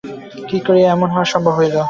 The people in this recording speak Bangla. কী করিয়া এমন হওয়া সম্ভব হইল।